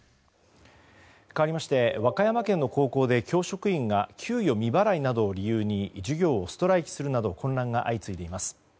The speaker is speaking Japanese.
かわりまして和歌山県の高校で教職員が給与未払いなどを理由に授業をストライキするなど混乱が相次いでいます。